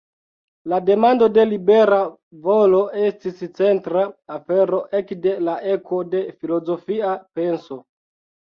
La demando de libera volo estis centra afero ekde la eko de filozofia penso.